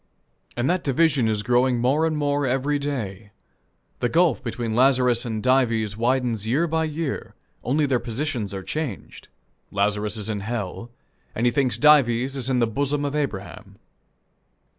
And that division is growing more and more every day The gulf between Lazarus and Dives widens year by year, only their positions are changed Lazarus is in hell, and he thinks Dives is in the bosom of Abraham.